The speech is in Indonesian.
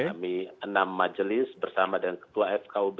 kami enam majelis bersama dengan ketua fkub